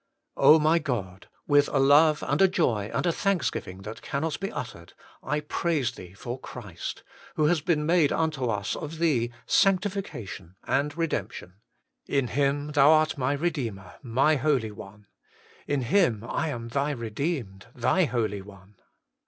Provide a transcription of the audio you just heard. my God ! with a love and a joy and a thanks giving that cannot be uttered, I praise Thee for Christ, who has been made unto us of Thee sanctifi cation and redemption. In Him Thou art my Eedeemer, my Holy One. In Him I am Thy re deemed, Thy holy one.